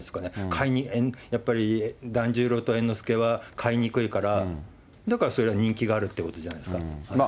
買いにくい、やっぱり團十郎と猿之助は買いにくいから、だからそれは人気があるってことじゃないですか。